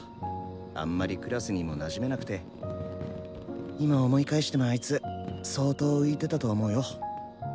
あんまりクラスにもなじめなくて今思い返してもあいつ相当浮いてたと思うよ。